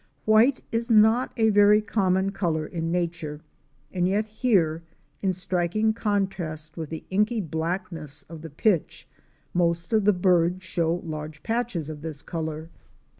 White is not a very common color in nature, and yet here, in striking contrast with the inky blackness of the pitch, most of the birds show large patches of this color.